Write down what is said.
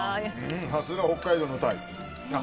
さすが北海道のタイ。